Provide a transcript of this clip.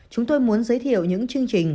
chúng tôi muốn giới thiệu những chương trình